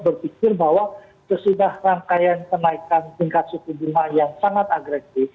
berpikir bahwa sesudah rangkaian kenaikan tingkat suku bunga yang sangat agresif